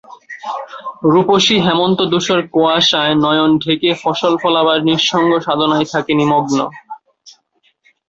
রূপসী হেমন্ত ধূসর কুয়াশায় নয়ন ঢেকে ফসল ফলাবার নিঃসঙ্গ সাধণায় থাকে নিমগ্ন।